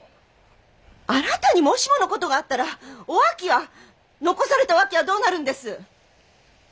あなたにもしもの事があったらお秋は残されたお秋はどうなるんです？